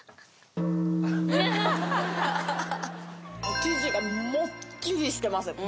生地がもっちりしてます。